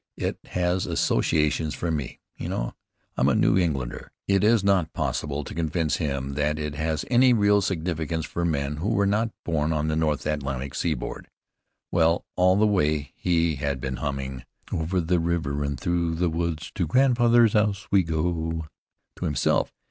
It has associations for me, you know. I'm a New Englander." It is not possible to convince him that it has any real significance for men who were not born on the North Atlantic seaboard. Well, all the way he had been humming "Over the river and through the wood To grandfather's house we go," to himself.